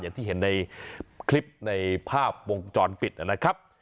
อย่างที่เห็นในคลิปในภาพวงจรปิดนะครับ